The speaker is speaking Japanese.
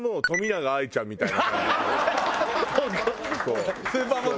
冨永愛ちゃんみたい。